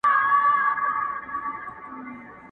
o اول ځان، پسې جهان.